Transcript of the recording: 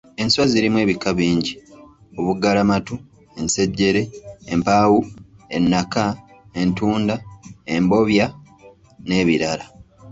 Enswa zirimu ebika bingi: obuggalamatu, ensejjere, empawu, ennaka, entunda, embobya n’ebirala.